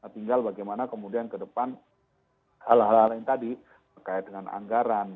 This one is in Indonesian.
tinggal bagaimana kemudian ke depan hal hal lain tadi terkait dengan anggaran